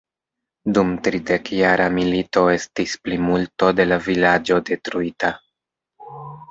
Dum tridekjara milito estis plimulto de la vilaĝo detruita.